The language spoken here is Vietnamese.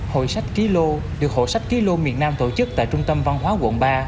hội sách ký lô được hội sách ký lô miền nam tổ chức tại trung tâm văn hóa quận ba